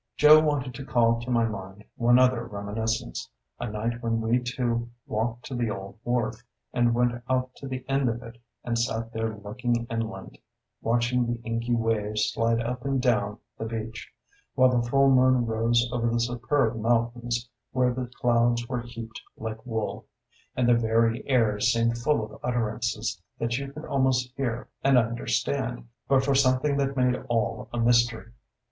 Joe wanted to call to my mind one other reminiscence, a night when we two walked to the old wharf, and went out to the end of it, and sat there looking inland, watching the inky waves slide up and down the beach, while the full moon rose over the superb mountains where the clouds were heaped like wool, and the very air seemed full of utterances that you could almost hear and understand but for something that made all a mystery.